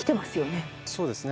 そうですね。